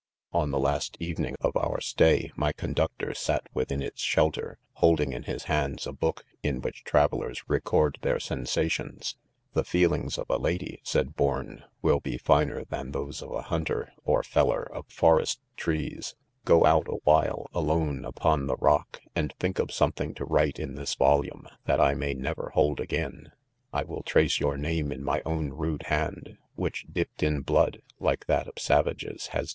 — On the last evening of our stay, my conductor sat within its shelter, holding in his hands a book in which travellers record their sensa tions. l The feelings of a lady, 5 said Bourn, m 194 jdomen. ■*"■'■'•.." @^$f^ '■■■■. f I :' i ■■■■■'■■■':■"■•.:''''■<■''!■:.'■'';;■.■|'€ will be finer than; those of a hunter or feller of forest trees \ go out awhile, alone, upon the guck, and think of something to write in this volume ,, that 1 may never hold again I will teace your name in my own rude hand, which dipped in 'Mood, like that of savages, "has 'ta*.